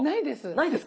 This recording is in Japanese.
ないです。